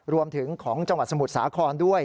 รวมถึงของจังหวัดสมุทรสาครด้วย